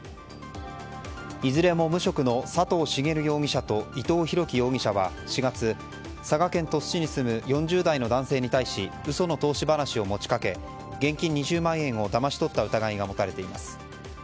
いずれも無職の佐藤茂容疑者と伊藤宏樹容疑者は４月佐賀県鳥栖市に住む４０代の男性に対し嘘の投資話を持ち掛け現金２０万円をだまし取った疑いが持たれています。